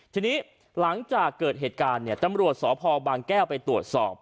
ทีนี้หลังจากเกิดเหตุการณ์เนี่ยตำรวจสพบางแก้วไปตรวจสอบ